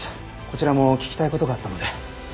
こちらも聞きたいことがあったので。